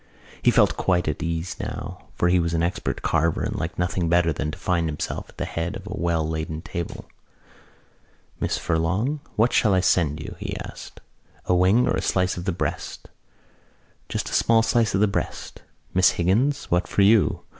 He felt quite at ease now for he was an expert carver and liked nothing better than to find himself at the head of a well laden table. "Miss Furlong, what shall I send you?" he asked. "A wing or a slice of the breast?" "Just a small slice of the breast." "Miss Higgins, what for you?"